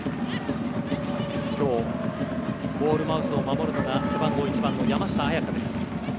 今日、ゴールマウスを守るのが背番号１番、山下杏也加。